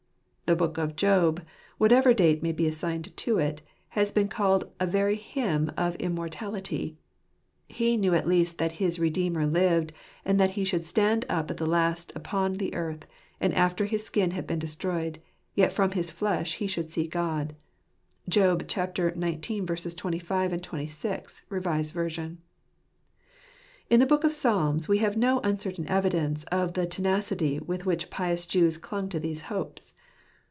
The book of Job, whatever date may be assigned to it, has been called a very hymn of immor tality : he knew at least that his "Redeemer lived, and that he should stand up at the last upon the earth, and after his skin had been destroyed, yet from his flesh he should see God" (Job xix. 25, 26, R.v.). In the Book of Psalms we have no uncertain evidence of the tenacity with which pious Jews clung to these hopes.